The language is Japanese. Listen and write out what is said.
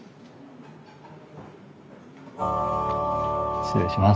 失礼します。